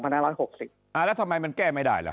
แล้วทำไมมันแก้ไม่ได้ล่ะ